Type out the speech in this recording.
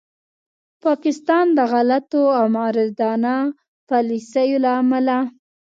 پاکستان د غلطو او مغرضانه پالیسیو له امله